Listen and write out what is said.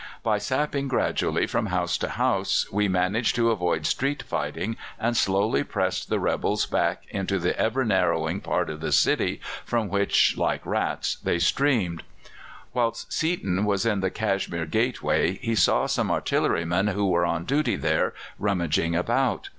By sapping gradually from house to house we managed to avoid street fighting and slowly pressed the rebels back into the ever narrowing part of the city from which, like rats, they streamed. Whilst Seaton was in the Cashmere Gateway, he saw some artillerymen who were on duty there rummaging about.